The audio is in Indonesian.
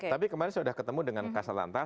tapi kemarin saya sudah ketemu dengan kasalantar